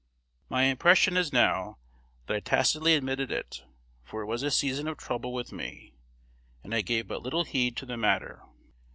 My impression is now that I tacitly admitted it, for it was a season of trouble with me, and I gave but little heed to the matter.